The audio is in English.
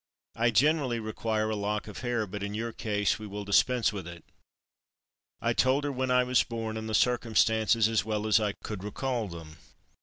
I generally require a lock of the hair, but in your case we will dispense with it." I told her when I was born and the circumstances as well as I could recall them.